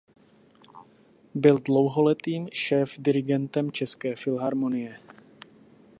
Byl dlouholetým šéfdirigentem České filharmonie.